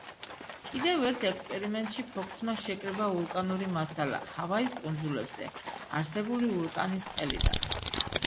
კიდევ ერთ ექსპერიმენტში ფოქსმა შეკრიბა ვულკანური მასალა ჰავაის კუნძულებზე არსებული ვულკანის ყელიდან.